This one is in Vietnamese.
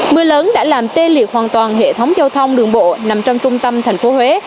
mưa lớn đã làm tê liệt hoàn toàn hệ thống giao thông đường bộ nằm trong trung tâm thành phố huế